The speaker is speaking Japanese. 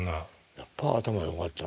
やっぱ頭よかったんだ。